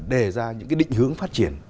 đề ra những cái định hướng phát triển